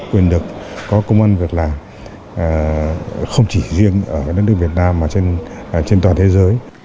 quyền được có công an việc làm không chỉ riêng ở đất nước việt nam mà trên toàn thế giới